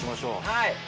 はい。